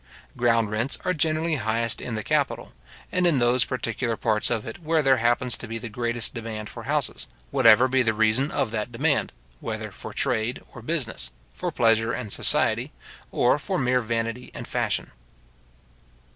Ground rents are generally highest in the capital, and in those particular parts of it where there happens to be the greatest demand for houses, whatever be the reason of that demand, whether for trade and business, for pleasure and society, or for mere vanity and fashion.